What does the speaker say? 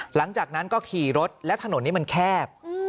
หลังจากนั้นก็ขี่รถและถนนนี้มันแคบ